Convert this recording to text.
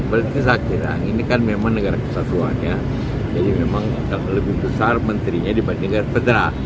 berarti saya kira ini kan memang negara kesatuannya jadi memang lebih besar menterinya dibanding negara federal